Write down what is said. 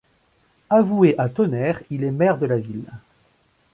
Avoué à Tonnerre, il est maire de la ville.